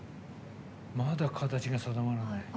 まだ形が定まらない。